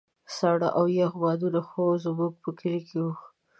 ساړه او يخ بادونه خو زموږ په کلي کې وو.